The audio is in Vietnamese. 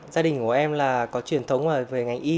gia đình của em là có truyền thống về ngành y